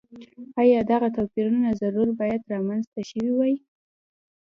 ایا دغه توپیرونه ضرور باید رامنځته شوي وای.